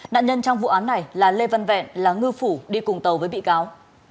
nạn nhân trong vụ án này là lê văn vẹn là ngư phủ đi cùng tàu với bị cáo